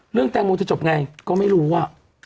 เรื่องแตงมูลจะจบไงก็ไม่รู้อ่ะ